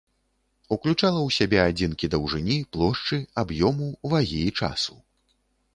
Уключала ў сябе адзінкі даўжыні, плошчы, аб'ёму, вагі і часу.